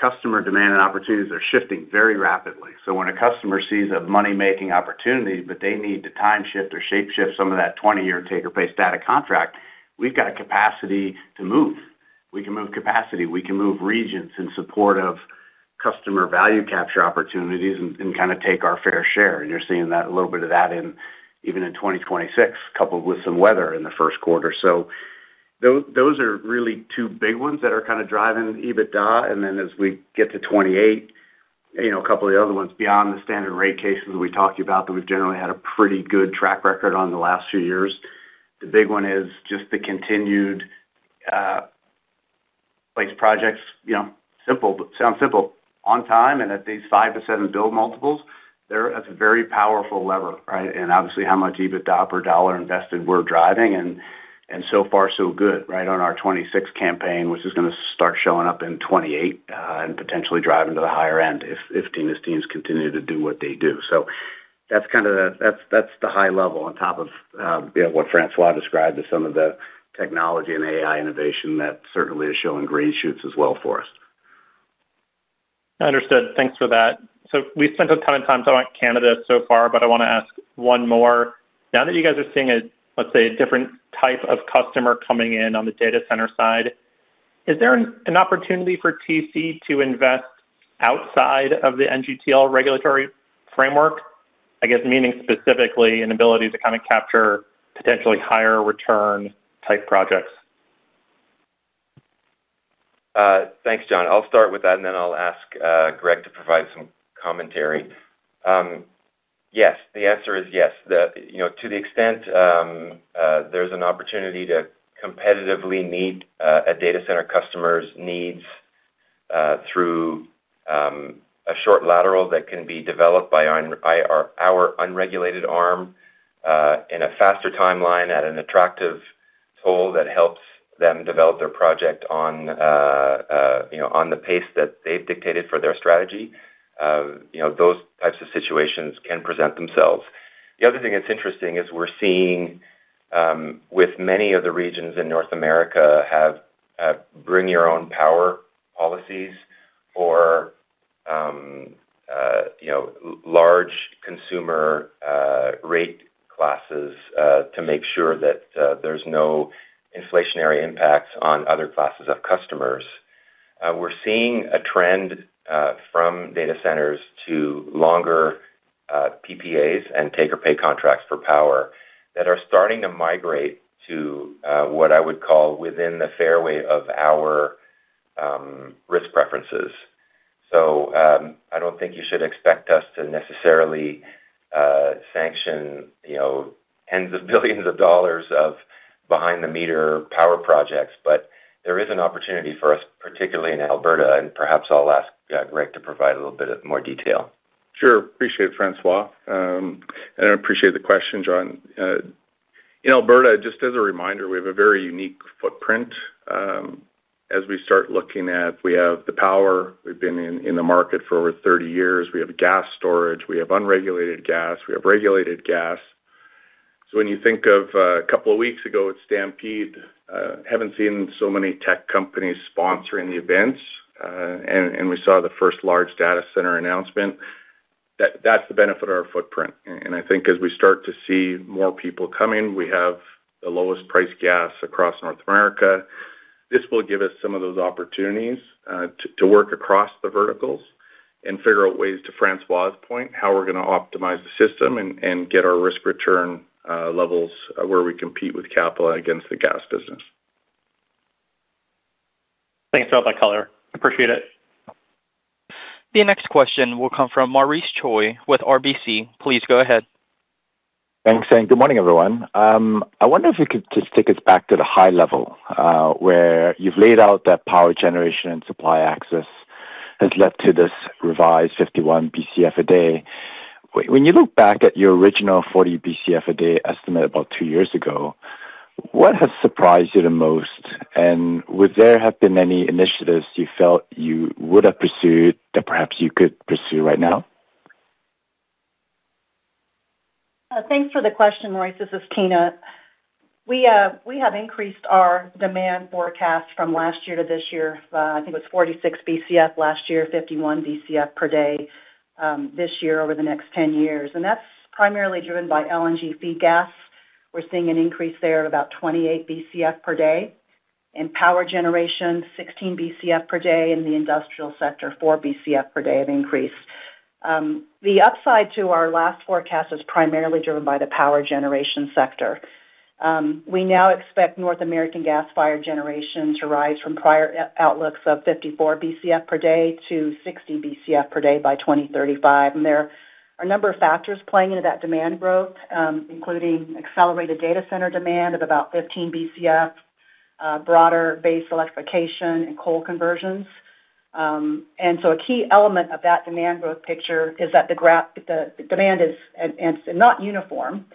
customer demand and opportunities are shifting very rapidly. When a customer sees a money-making opportunity, but they need to time shift or shape shift some of that 20-year take-or-pay static contract, we've got a capacity to move. We can move capacity, we can move regions in support of customer value capture opportunities and take our fair share. You're seeing a little bit of that even in 2026, coupled with some weather in the first quarter. Those are really 2 big ones that are driving EBITDA. As we get to 2028, 2 of the other ones beyond the standard rate cases we talked about, that we've generally had a pretty good track record on the last few years. The big one is just the continued place projects. Sounds simple. On time and at these 5 to 7 build multiples, that's a very powerful lever, right? Obviously how much EBITDA per dollar invested we're driving and so far so good on our 2026 campaign, which is going to start showing up in 2028, and potentially driving to the higher end if Tina's teams continue to do what they do. That's the high level on top of what François described as some of the technology and AI innovation that certainly is showing green shoots as well for us. Understood. Thanks for that. We've spent a ton of time talking about Canada so far, but I want to ask 1 more. Now that you guys are seeing a, let's say, a different type of customer coming in on the data center side, is there an opportunity for TC to invest outside of the NGTL regulatory framework? I guess meaning specifically an ability to capture potentially higher return type projects. Thanks, John. I'll start with that and then I'll ask Greg to provide some commentary. Yes, the answer is yes. To the extent there's an opportunity to competitively meet a data center customer's needs through a short lateral that can be developed by our unregulated arm in a faster timeline at an attractive toll that helps them develop their project on the pace that they've dictated for their strategy. Those types of situations can present themselves. The other thing that's interesting is we're seeing with many of the regions in North America have bring your own power policies or large consumer rate classes to make sure that there's no inflationary impacts on other classes of customers. We're seeing a trend from data centers to longer PPAs and take or pay contracts for power that are starting to migrate to what I would call within the fairway of our risk preferences. I don't think you should expect us to necessarily sanction tens of billions of dollars of behind-the-meter power projects, but there is an opportunity for us, particularly in Alberta, and perhaps I'll ask Greg to provide a little bit more detail. Sure. Appreciate it, François. I appreciate the question, John. In Alberta, just as a reminder, we have a very unique footprint as we start looking at we have the power, we've been in the market for over 30 years. We have gas storage, we have unregulated gas, we have regulated gas. When you think of a couple of weeks ago at Stampede, haven't seen so many tech companies sponsoring the events. We saw the first large data center announcement. That's the benefit of our footprint. I think as we start to see more people coming, we have the lowest price gas across North America. This will give us some of those opportunities to work across the verticals and figure out ways to François' point, how we're going to optimize the system and get our risk return levels where we compete with capital against the gas business. Thanks for that color. Appreciate it. The next question will come from Maurice Choy with RBC. Please go ahead. Thanks. Good morning, everyone. I wonder if you could just take us back to the high level, where you've laid out that power generation and supply access has led to this revised 51 Bcf a day. When you look back at your original 40 Bcf a day estimate about two years ago, what has surprised you the most? Would there have been any initiatives you felt you would have pursued that perhaps you could pursue right now? Thanks for the question, Maurice. This is Tina. We have increased our demand forecast from last year to this year. I think it was 46 Bcf last year, 51 Bcf per day this year over the next 10 years. That's primarily driven by LNG feed gas. We're seeing an increase there at about 28 Bcf per day. In power generation, 16 Bcf per day. In the industrial sector, four Bcf per day of increase. The upside to our last forecast is primarily driven by the power generation sector. We now expect North American gas-fired generation to rise from prior outlooks of 54 Bcf per day to 60 Bcf per day by 2035. There are a number of factors playing into that demand growth, including accelerated data center demand of about 15 Bcf, broader base electrification and coal conversions. A key element of that demand growth picture is that the demand is not uniform.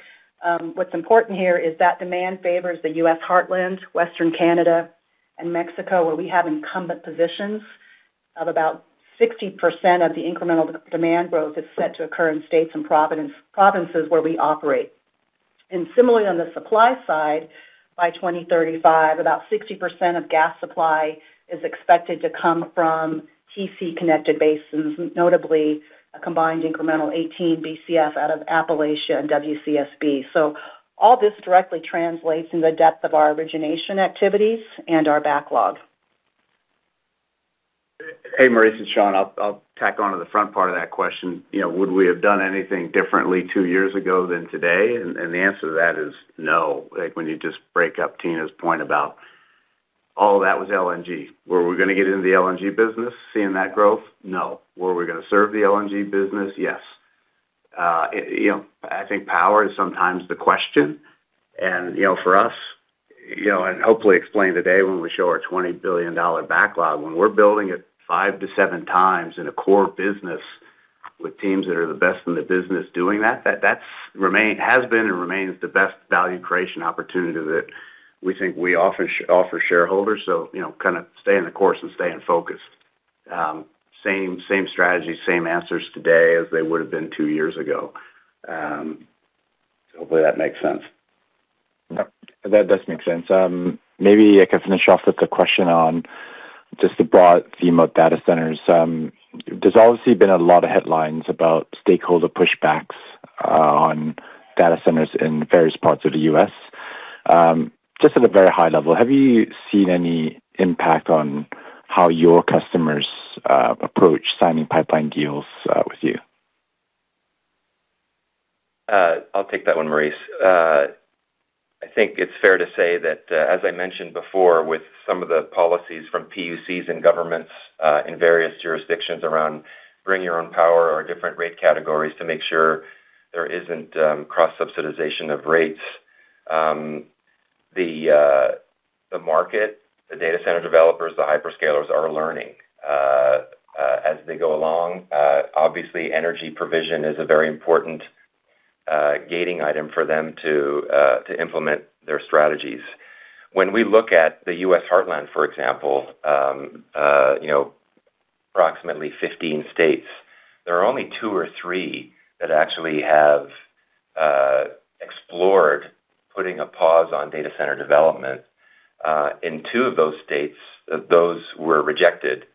What's important here is that demand favors the U.S. Heartland, Western Canada, and Mexico, where we have incumbent positions of about 60% of the incremental demand growth is set to occur in states and provinces where we operate. Similarly, on the supply side, by 2035, about 60% of gas supply is expected to come from TC-connected basins, notably a combined incremental 18 BCF out of Appalachia and WCSB. All this directly translates into the depth of our origination activities and our backlog. Hey, Maurice and Sean, I'll tack onto the front part of that question. Would we have done anything differently two years ago than today? The answer to that is no. When you just break up Tina's point about all that was LNG. Were we going to get into the LNG business seeing that growth? No. Were we going to serve the LNG business? Yes. I think power is sometimes the question. For us, and hopefully explain today when we show our 20 billion dollar backlog, when we're building it five to seven times in a core business with teams that are the best in the business doing that has been and remains the best value creation opportunity that we think we offer shareholders. Kind of staying the course and staying focused. Same strategy, same answers today as they would have been two years ago. Hopefully that makes sense. That does make sense. Maybe I can finish off with a question on just the broad theme of data centers. There's obviously been a lot of headlines about stakeholder pushbacks on data centers in various parts of the U.S. Just at a very high level, have you seen any impact on how your customers approach signing pipeline deals with you? I'll take that one, Maurice. I think it's fair to say that, as I mentioned before, with some of the policies from PUCs and governments in various jurisdictions around bring your own power or different rate categories to make sure there isn't cross-subsidization of rates. The market, the data center developers, the hyperscalers are learning as they go along. Obviously, energy provision is a very important gating item for them to implement their strategies. When we look at the U.S. Heartland, for example, approximately 15 states, there are only two or three that actually have explored putting a pause on data center development. In two of those states, those were rejected.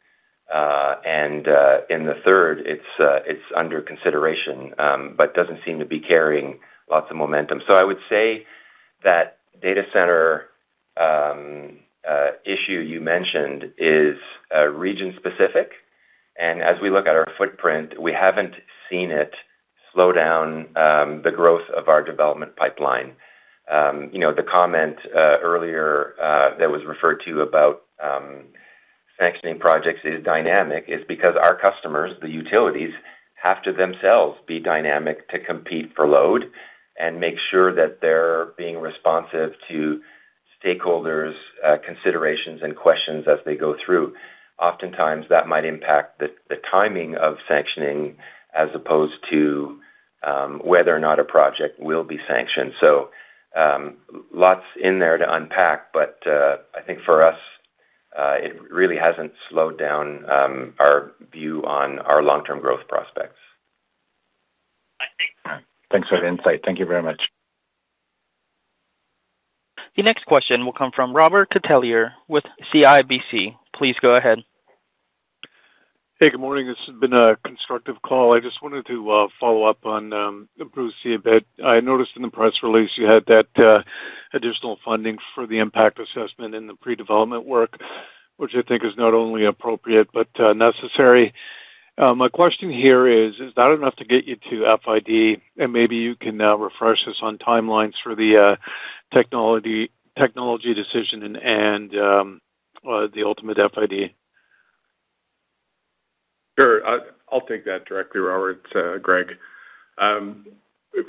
In the third, it's under consideration, but doesn't seem to be carrying lots of momentum. I would say that data center issue you mentioned is region-specific, and as we look at our footprint, we haven't seen it slow down the growth of our development pipeline. The comment earlier that was referred to about sanctioning projects is dynamic is because our customers, the utilities, have to themselves be dynamic to compete for load and make sure that they're being responsive to stakeholders' considerations and questions as they go through. Oftentimes, that might impact the timing of sanctioning as opposed to whether or not a project will be sanctioned. Lots in there to unpack, but I think for us, it really hasn't slowed down our view on our long-term growth prospects. Thanks for the insight. Thank you very much. The next question will come from Robert Catellier with CIBC. Please go ahead. Hey, good morning. This has been a constructive call. I just wanted to follow up on Bruce C a bit. I noticed in the press release you had that additional funding for the impact assessment and the pre-development work, which I think is not only appropriate but necessary. My question here is that enough to get you to FID? Maybe you can refresh us on timelines for the technology decision and the ultimate FID. Sure. I'll take that directly, Robert. It's Greg.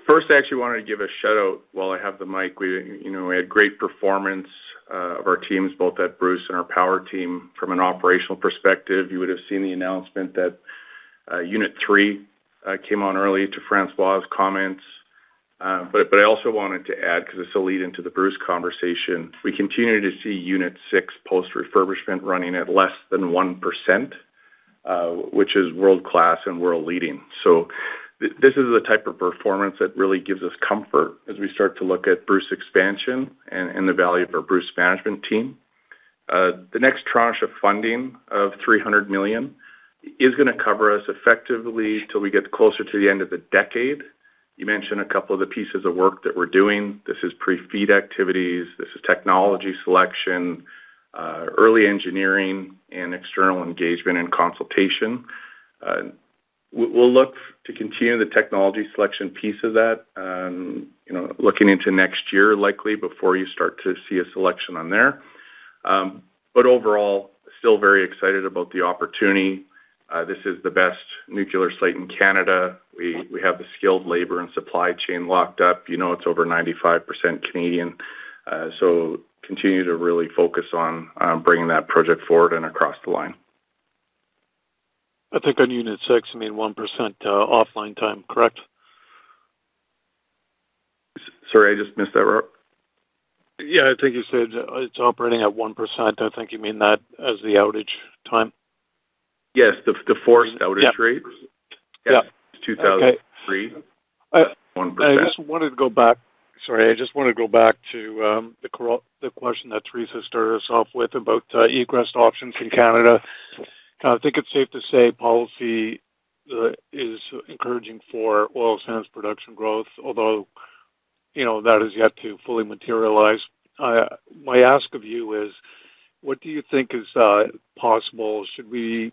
First, I actually wanted to give a shout-out while I have the mic. We had great performance of our teams, both at Bruce and our power team from an operational perspective. You would have seen the announcement that unit 3 came on early to François' comments. I also wanted to add, because this will lead into the Bruce conversation, we continue to see unit 6 post-refurbishment running at less than 1%, which is world-class and world-leading. This is the type of performance that really gives us comfort as we start to look at Bruce expansion and the value of our Bruce management team. The next tranche of funding of 300 million is going to cover us effectively till we get closer to the end of the decade. You mentioned a couple of the pieces of work that we're doing. This is pre-feed activities. This is technology selection, early engineering, and external engagement and consultation. We'll look to continue the technology selection piece of that, looking into next year, likely before you start to see a selection on there. Overall, still very excited about the opportunity. This is the best nuclear site in Canada. We have the skilled labor and supply chain locked up. It's over 95% Canadian. Continue to really focus on bringing that project forward and across the line. I think on Unit 6, you mean 1% offline time, correct? Sorry, I just missed that, Robert. Yeah, I think you said it's operating at 1%. I think you mean that as the outage time. Yes. The forced outage rates. Yeah. Yes, 2003, 1%. Sorry, I just wanted to go back to the question that Theresa started us off with about egress options in Canada. I think it's safe to say policy is encouraging for oil sands production growth, although, that has yet to fully materialize. My ask of you is, what do you think is possible? Should we,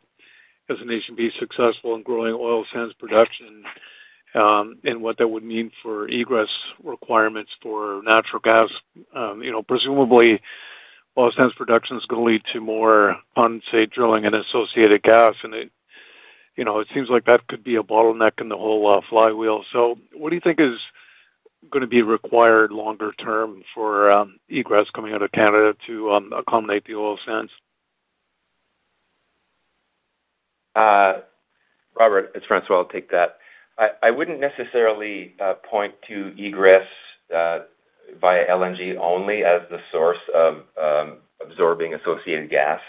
as a nation, be successful in growing oil sands production, and what that would mean for egress requirements for natural gas? Presumably, oil sands production is going to lead to more on, say, drilling and associated gas, and it seems like that could be a bottleneck in the whole flywheel. What do you think is going to be required longer term for egress coming out of Canada to accommodate the oil sands? Robert, it's François. I'll take that. I wouldn't necessarily point to egress via LNG only as the source of absorbing associated gas.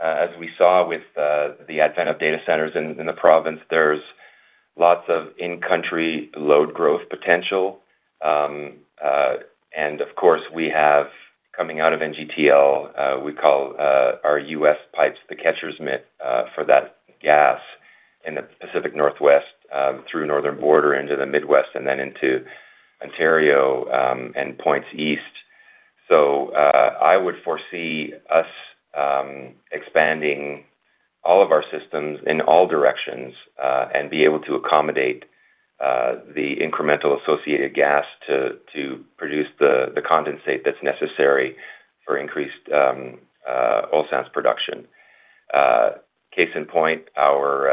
As we saw with the advent of data centers in the province, there's lots of in-country load growth potential. Of course we have, coming out of NGTL, we call our U.S. pipes the catcher's mitt for that gas in the Pacific Northwest, through Northern Border into the Midwest and then into Ontario, and points east. I would foresee us expanding all of our systems in all directions, and be able to accommodate the incremental associated gas to produce the condensate that's necessary for increased oil sands production. Case in point, our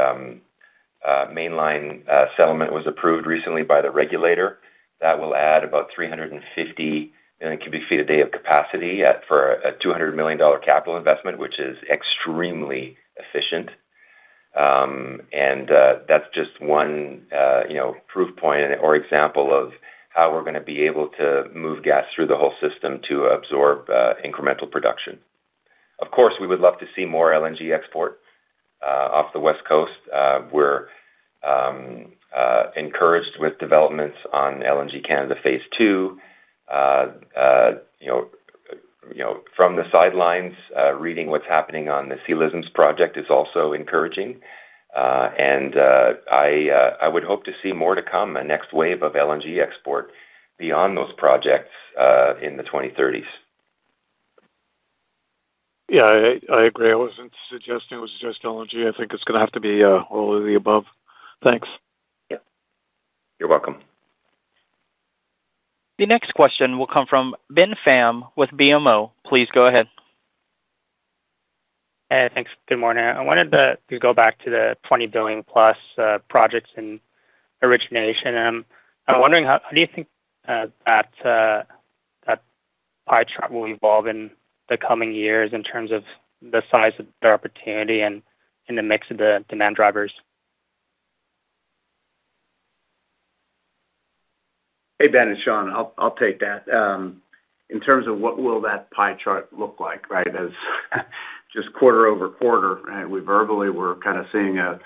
Mainline settlement was approved recently by the regulator. That will add about 350 million cubic feet a day of capacity for a 200 million dollar capital investment, which is extremely efficient. That's just one proof point or example of how we're going to be able to move gas through the whole system to absorb incremental production. Of course, we would love to see more LNG export off the West Coast. We're encouraged with developments on LNG Canada Phase 2. From the sidelines, reading what's happening on the Cedar LNG project is also encouraging. I would hope to see more to come. A next wave of LNG export beyond those projects in the 2030s. Yeah, I agree. I wasn't suggesting it was just LNG. I think it's going to have to be all of the above. Thanks. Yeah. You're welcome. The next question will come from Ben Pham with BMO. Please go ahead. Hey, thanks. Good morning. I wanted to go back to the 20 billion plus projects in origination. I'm wondering, how do you think that pie chart will evolve in the coming years in terms of the size of the opportunity and the mix of the demand drivers? Hey, Ben, it's Sean. I'll take that. In terms of what will that pie chart look like, right? As just quarter-over-quarter, we verbally were kind of seeing a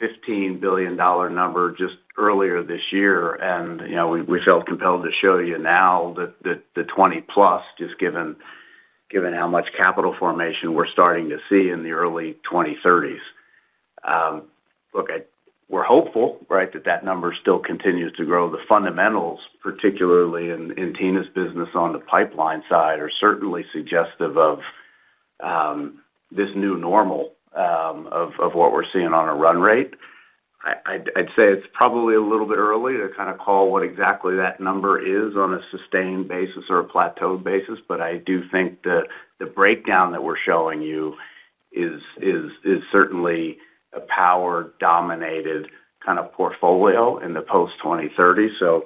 15 billion dollar number just earlier this year, and we felt compelled to show you now the 20+, just given how much capital formation we're starting to see in the early 2030s. Look, we're hopeful, right, that that number still continues to grow. The fundamentals, particularly in Tina's business on the pipeline side, are certainly suggestive of this new normal of what we're seeing on a run rate. I'd say it's probably a little bit early to call what exactly that number is on a sustained basis or a plateaued basis. I do think that the breakdown that we're showing you is certainly a power-dominated kind of portfolio in the post-2030s.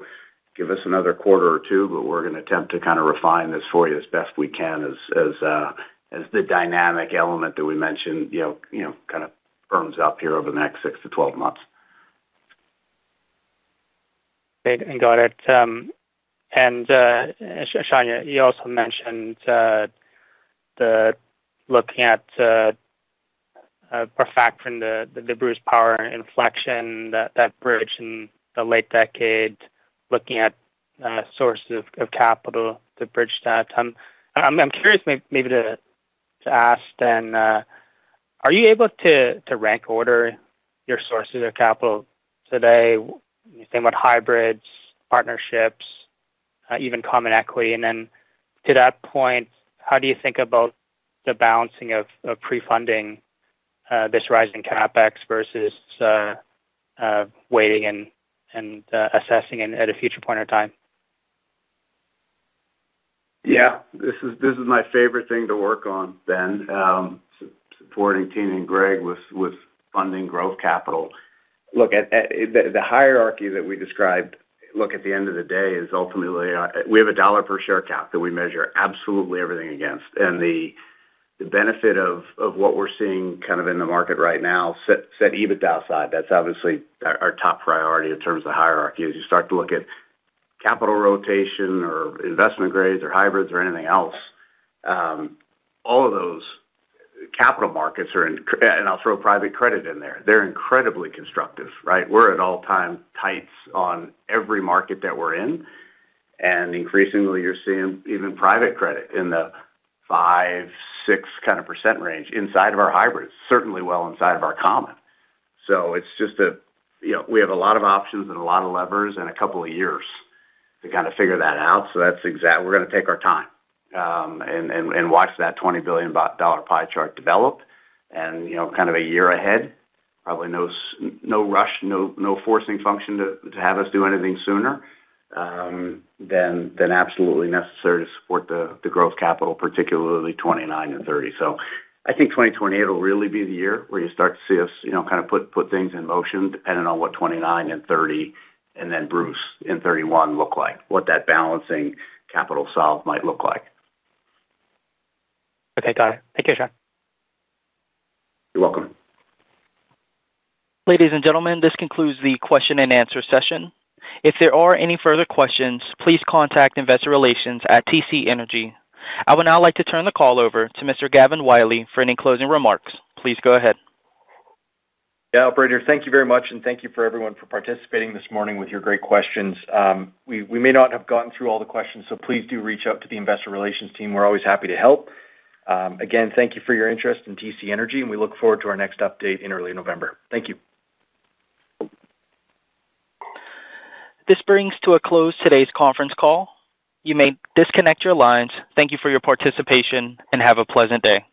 Give us another quarter or two, but we're going to attempt to refine this for you as best we can as the dynamic element that we mentioned firms up here over the next six to 12 months. Great. Got it. Sean, you also mentioned looking at perfect from the Bruce Power inflection, that bridge in the late decade, looking at sources of capital to bridge that. I'm curious maybe to ask then, are you able to rank order your sources of capital today, same with hybrids, partnerships, even common equity? To that point, how do you think about the balancing of pre-funding this rising CapEx versus waiting and assessing at a future point of time? Yeah. This is my favorite thing to work on, Ben. Supporting Tina and Greg with funding growth capital. Look, the hierarchy that we described, look, at the end of the day is ultimately we have a CAD per share count that we measure absolutely everything against. The benefit of what we're seeing in the market right now, set EBITDA aside, that's obviously our top priority in terms of the hierarchy. You start to look at capital rotation or investment grades or hybrids or anything else, all of those capital markets. I'll throw private credit in there. They're incredibly constructive, right? We're at all-time tights on every market that we're in. Increasingly, you're seeing even private credit in the 5%, 6% range inside of our hybrids, certainly well inside of our common. We have a lot of options and a lot of levers and a couple of years to figure that out. We're going to take our time and watch that 20 billion dollar pie chart develop and a year ahead, probably no rush, no forcing function to have us do anything sooner than absolutely necessary to support the growth capital, particularly 2029 and 2030. I think 2028 will really be the year where you start to see us put things in motion, depending on what 2029 and 2030 and then Bruce in 2031 look like, what that balancing capital solve might look like. Okay, got it. Thank you, Sean. You're welcome. Ladies and gentlemen, this concludes the question and answer session. If there are any further questions, please contact Investor Relations at TC Energy. I would now like to turn the call over to Mr. Gavin Wylie for any closing remarks. Please go ahead. Yeah, operator, thank you very much, and thank you for everyone for participating this morning with your great questions. We may not have gotten through all the questions, please do reach out to the investor relations team. We're always happy to help. Again, thank you for your interest in TC Energy, and we look forward to our next update in early November. Thank you. This brings to a close today's conference call. You may disconnect your lines. Thank you for your participation, and have a pleasant day.